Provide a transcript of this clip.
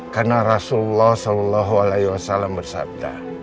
karena rasulullah saw bersabda